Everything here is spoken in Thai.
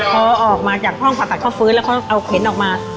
พอออกมาจากห้องผ่าตัดเขาฟื้นแล้วเขาเอาเข็นออกมา